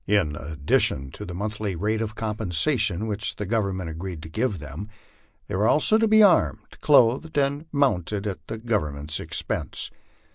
In addition to the monthly rate of compensation which the Government agreed to give them, they were also to be armed, clothed, and mounted at Government expense.